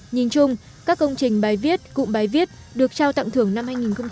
nhìn chung các công trình bài viết cụm bài viết được trao tặng thưởng năm hai nghìn một mươi chín